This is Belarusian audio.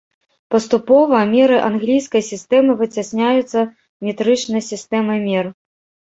Паступова меры англійскай сістэмы выцясняюцца метрычнай сістэмай мер.